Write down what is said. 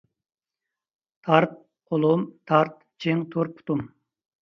تارت، قولۇم، تارت، چىڭ تۇر پۇتۇم!